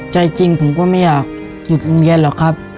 ใจจริงผมก็ไม่อยากหยุดโรงเรียนหรอกครับ